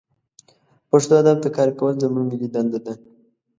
پښتو ادب ته کار کول زمونږ ملي دنده ده